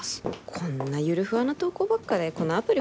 こんなゆるふわな投稿ばっかでこのアプリ